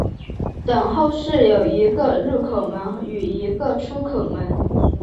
等候室有一个入口门与一个出口门。